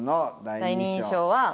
第二印象は。